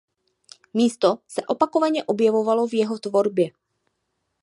Místo se opakovaně objevovalo v jeho tvorbě.